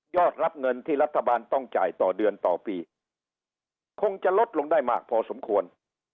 รับเงินที่รัฐบาลต้องจ่ายต่อเดือนต่อปีคงจะลดลงได้มากพอสมควร